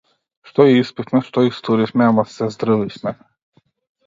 Што испивме, што истуривме, ама се здрвивме.